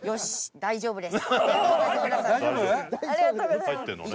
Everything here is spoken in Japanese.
大丈夫です。